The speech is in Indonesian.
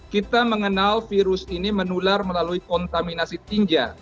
kita mengenal virus ini menular melalui kontaminasi tinja